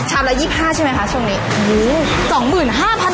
ละ๒๕ใช่ไหมคะช่วงนี้